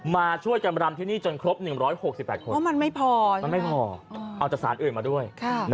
มาช่วยกันรำที่นี่จนครบ๑๖๘คนว่ามันไม่พอเอาจากศาลอื่นมาด้วย